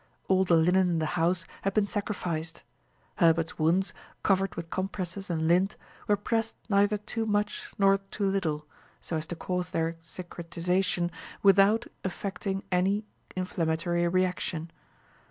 All the linen in the house had been sacrificed. Herbert's wounds, covered with compresses and lint, were pressed neither too much nor too little, so as to cause their cicatrization without effecting any inflammatory reaction.